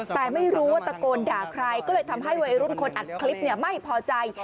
แต่ไม่รู้ว่าตะโกนด่าใครก็เลยทำให้วัยรุ่นคนอัดคลิปไม่พอใจ